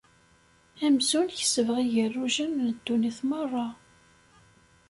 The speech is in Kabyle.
Amzun kesbeɣ igerrujen n ddunit merra.